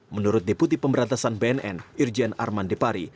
menurut deputi pemberantasan bnn irjen arman depari